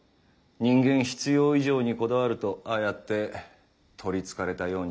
人間必要以上にこだわるとああやって取りつかれたようになるんだ。